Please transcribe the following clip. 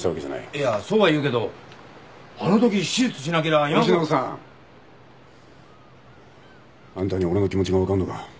いやそうは言うけどあのとき手術しなけりゃ今ごろ。星野さん！あんたに俺の気持ちが分かんのか？